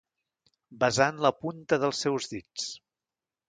Besant la punta dels seus dits.